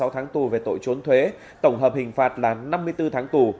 hai mươi sáu tháng tù về tội trốn thuế tổng hợp hình phạt là năm mươi bốn tháng tù